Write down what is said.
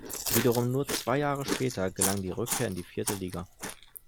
Wiederum nur zwei Jahre später gelang die Rückkehr in die vierte Liga.